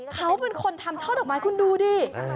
เขาเป็นคนทำช่อดอกไม้คุณดูดิ